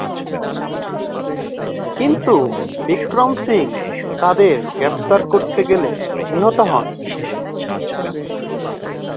কিন্তু বিক্রম সিং তাদের গ্রেপ্তার করতে গেলে নিহত হন।